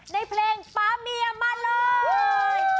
ในเพลงป๊าเมียมาเลย